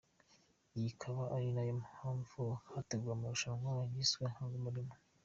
Iyi ikaba ari nayo mpamvu hateguwe amarushanwa yiswe ‘Hanga umurimo’.